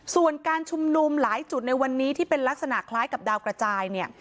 ส่วนการชุมนุมหลายจุดในวันนี้ที่เป็นลักษณะคล้ายกับดาวกระจายเนี่ย